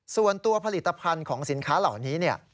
ส่วนตัวผลิตภัณฑ์ของสินค้าเหล่านี้เนี่ย